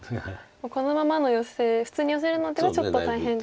このままのヨセ普通にヨセるのではちょっと大変と。